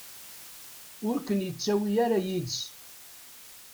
Ur ken-yettawi ara yid-s.